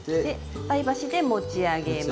菜箸で持ち上げます。